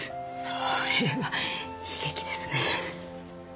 それは悲劇ですね。